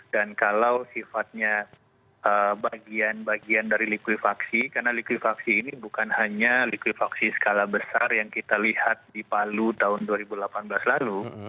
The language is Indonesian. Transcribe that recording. dan kalau sifatnya bagian bagian dari likuifaksi karena likuifaksi ini bukan hanya likuifaksi skala besar yang kita lihat di palu tahun dua ribu delapan belas lalu